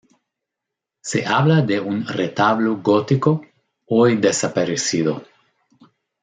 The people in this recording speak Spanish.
Se habla de un retablo gótico, hoy desaparecido.